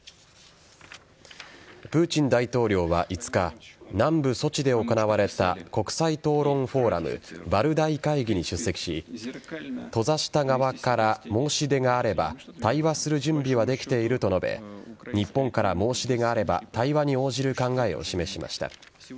プーチン大統領は５日南部・ソチで行われた国際討論フォーラムバルダイ会議に出席し閉ざした側から申し出があれば対話する準備はできていると述べ日本から申し出があれば対話に応じる考えを示しました。